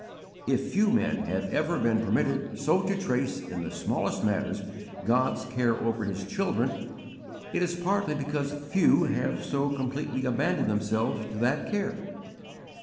If few men have ever been permitted so to trace in the smallest matters God's care over His children, it is partly because few have so completely abandoned themselves to that care.